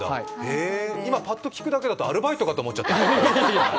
今、パッと聞くだけだとアルバイトかと思っちゃった。